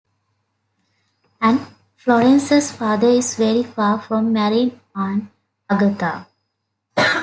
And Florence's father is very far from marrying Aunt Agatha.